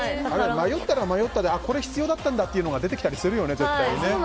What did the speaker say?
迷ったら迷ったでこれ必要だったんだっていうのが出てきたりするよね。